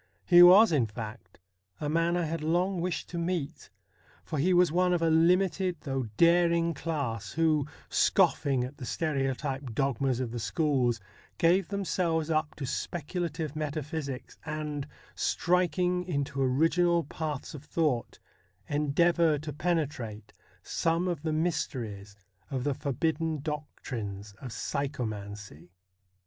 He was, in fact, a man I had long wished to meet, for he was one of a limited though daring class, who, scoffing at the stereotyped dogmas of the schools, give them selves up to speculative metaphysics, and, striking into original paths of thought, endeavour to penetrate some of the mysteries of the forbidden doctrines of psychomancy.